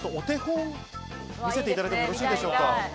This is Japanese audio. カッコよくお手本を見せていただいてもよろしいでしょうか？